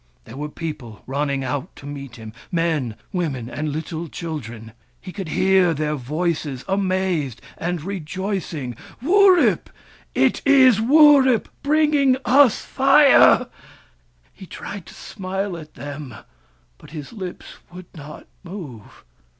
There were people running out to meet him ; men, women, and little children : he could hear their voices, amazed and 256 WURIP, THE FIRE BRINGER rejoicing —" Wurip ! It is Wurip, bringing us Fire !" He tried to smile at them, but his lips would not move.